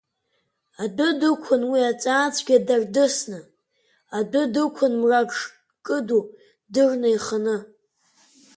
Адәы дықәын уи аҵаа цәгьа дардысны, адәы дықәын мрак шкыду дырны иханы.